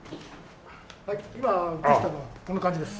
今写したのはこんな感じです。